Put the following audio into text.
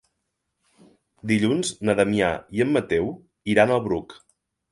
Dilluns na Damià i en Mateu iran al Bruc.